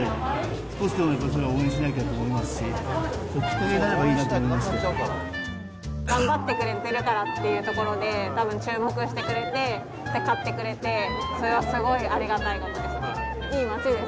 少しでもそれは応援しなきゃなと思いますし、きっかけになればい頑張ってくれてるからっていうところで、たぶん注目してくれて、買ってくれて、それはすごいありがたいことです。